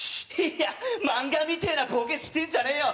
いや漫画みてえなボケしてんじゃねえよ！